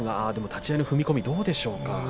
立ち合いの踏み込みどうでしたか。